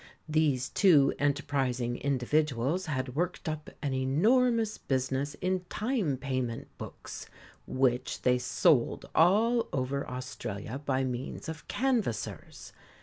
These two enterprising individuals had worked up an enormous business in time payment books, which they sold all over Australia by means of canvassers.